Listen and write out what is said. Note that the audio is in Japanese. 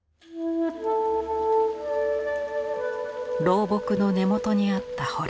老木の根元にあった洞。